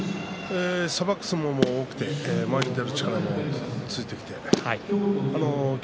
さばく相撲が多く前に出る力もついてきていて霧